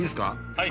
はい。